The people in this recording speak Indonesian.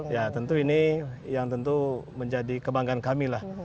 ya tentu ini yang tentu menjadi kebanggaan kamilah